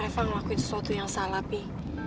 apa reva ngelakuin sesuatu yang salah pi